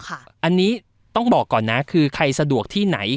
อันนี้ต้องบอกก่อนนะคือใครสะดวกที่ไหน